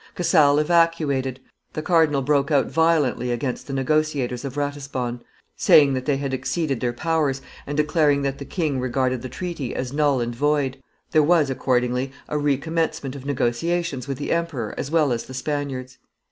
Casale evacuated, the cardinal broke out violently against the negotiators of Ratisbonne, saying that they had exceeded their powers, and declaring that the king regarded the treaty as null and void; there was accordingly a recommencement of negotiations with the emperor as well as the Spaniards.